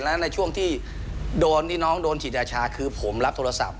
แล้วในช่วงที่โดนที่น้องโดนฉีดยาชาคือผมรับโทรศัพท์